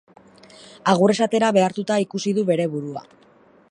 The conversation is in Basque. Agur esatera behartuta ikusi du bere burua.